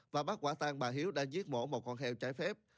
và bắt quả tàn bà hiếu đang giết mổ một con heo trái phép